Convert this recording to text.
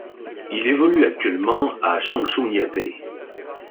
Il évolue actuellement à Changchun Yatai.